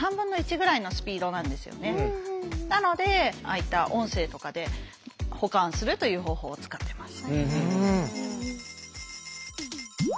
あいった音声とかで補完するという方法を使ってます。